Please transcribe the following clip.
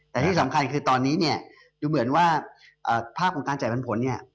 แต่ที่สำคัญคือตอนนี้เนี่ยดูเหมือนว่าภาพของการจ่ายปันผลเนี่ย